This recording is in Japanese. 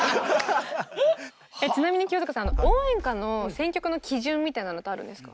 ちなみに清塚さん応援歌の選曲の基準みたいなのってあるんですか？